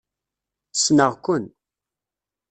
Ssneɣ-ken.